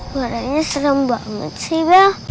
warnanya serem banget sih bel